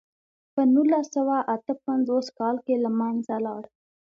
په نولس سوه اته پنځوس کال کې له منځه لاړ.